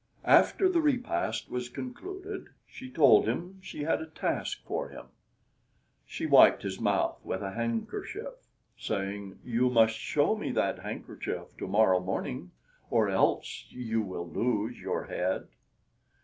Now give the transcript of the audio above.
After the repast was concluded, she told him she had a task for him. She wiped his mouth with a handkerchief, saying, "You must show me that handkerchief to morrow morning, or else you will lose your head."